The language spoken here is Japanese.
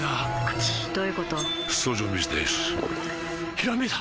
ひらめいた！